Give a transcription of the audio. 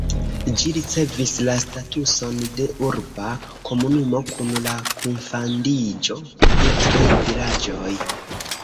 Ĝi ricevis la statuson de urba komunumo kun la kunfandiĝo de tri vilaĝoj.